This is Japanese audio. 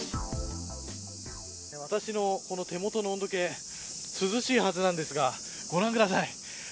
私の手元の温度計涼しいはずですがご覧ください。